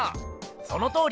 そのとおり！